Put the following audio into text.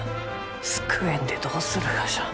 救えんでどうするがじゃ？